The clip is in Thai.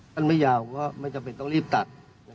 ไม่ยาวก็ไม่จำเป็นต้องรีบตัด